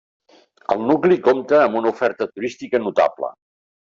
El nucli compta amb una oferta turística notable.